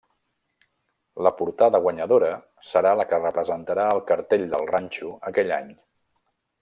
La portada guanyadora serà la que representarà el cartell del Ranxo aquell any.